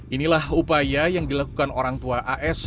inilah upaya yang dilakukan orang tua as